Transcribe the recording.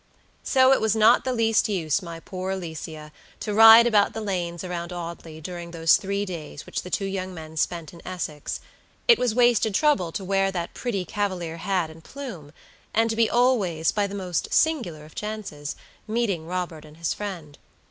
So it was not the least use, my poor Alicia, to ride about the lanes around Audley during those three days which the two young men spent in Essex; it was wasted trouble to wear that pretty cavalier hat and plume, and to be always, by the most singular of chances, meeting Robert and his friend.